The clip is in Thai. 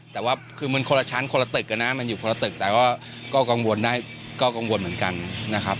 แต่ว่าคือมันคนละชั้นคนละตึกนะมันอยู่คนละตึกแต่ก็กังวลได้ก็กังวลเหมือนกันนะครับ